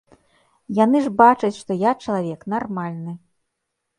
Яны ж бачаць, што я чалавек нармальны.